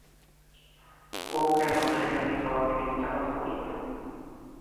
ও কেন সেটা নিয়ে তোমাকে মিথ্যা কথা বলবে?